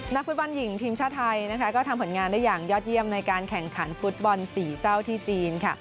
นักฟุตบอลหญิงทีมชาติไทยนะคะก็ทำผลงานได้อย่างยอดเยี่ยมในการแข่งขันฟุตบอลสี่เศร้าที่จีนค่ะ